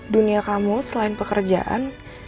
dunia kamu selain pekerjaan